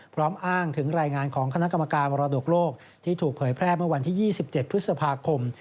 พร้อมอ้างถึงรายงานของคณะกรรมการมรดกโลกที่ถูกเผยแพร่เมื่อวันที่๒๗พฤษภาคม